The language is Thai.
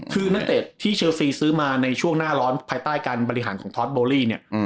คือนักเตะที่เชลซีซื้อมาในช่วงหน้าร้อนภายใต้การบริหารของท็อตโบลี่เนี่ย